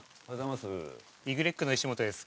イグレックの石本です。